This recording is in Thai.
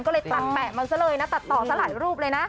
ก็เลยตันแปะมาเสียเลยนะตัดต่อสาหร่ายรูปเลยนะ